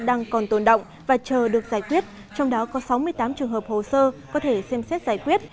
đang còn tồn động và chờ được giải quyết trong đó có sáu mươi tám trường hợp hồ sơ có thể xem xét giải quyết